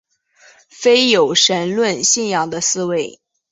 非有神论信仰的思维。